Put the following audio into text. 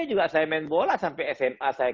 juga saya main bola sampai sma saya